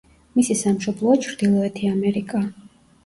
მისი სამშობლოა ჩრდილოეთი ამერიკა.